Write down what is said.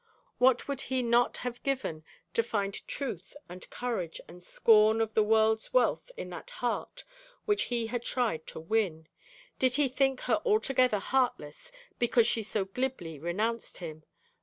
What would he not have given to find truth and courage and scorn of the world's wealth in that heart which he had tried to win. Did he think her altogether heartless because she so glibly renounced him?